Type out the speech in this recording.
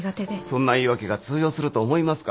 そんな言い訳が通用すると思いますか？